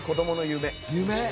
夢！